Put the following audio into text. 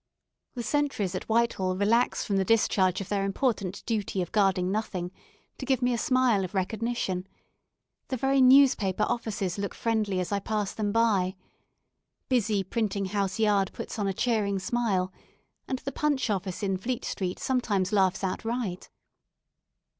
The sentries at Whitehall relax from the discharge of their important duty of guarding nothing to give me a smile of recognition; the very newspaper offices look friendly as I pass them by; busy Printing house Yard puts on a cheering smile, and the Punch office in Fleet Street sometimes laughs outright.